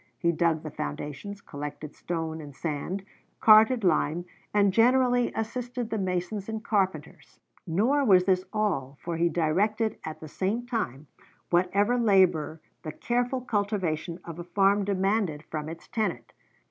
He dug the foundations, collected stone and sand, carted lime, and generally assisted the masons and carpenters. Nor was this all, for he directed at the same time whatever labor the careful cultivation of a farm demanded from its tenant.